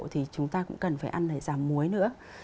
thì chúng ta cũng cần phải ăn để giảm muối nữa